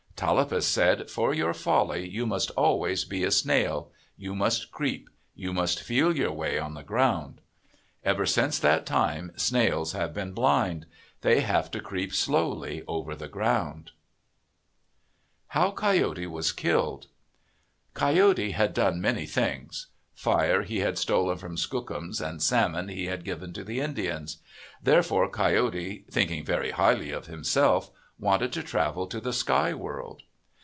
Tallapus said, " For your folly you must always be a snail. You must creep. You must feel your way on the ground." Ever since that time snails have been blind. They have to creep slowly over the ground. 130 OF THE PACIFIC NORTHWEST HOW COYOTE WAS KILLED COYOTE had done many things. Fire he had stolen from Skookums and salmon he had given to the Indians. Therefore Coyote, thinking very highly of himself, wanted to travel to the sky world.